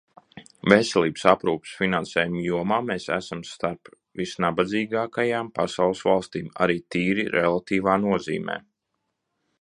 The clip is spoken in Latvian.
Veselības aprūpes finansējuma jomā mēs esam starp visnabadzīgākajām pasaules valstīm arī tīri relatīvā nozīmē.